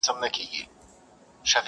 لوڅ لپړ وو په كوټه كي درېدلى؛